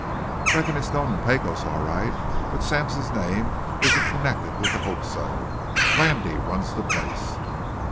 "Reckon it's known in Pecos, all right. But Sampson's name isn't connected with the Hope So. Blandy runs the place."